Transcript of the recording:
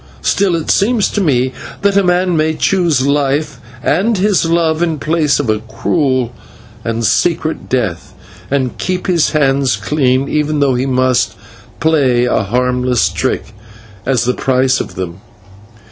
Still it seems to me that a man may choose life and his love in place of a cruel and secret death, and keep his hands clean, even though he must play a harmless trick as the price of them.